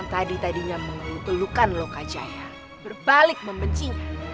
sedangkan kampung kita belum ada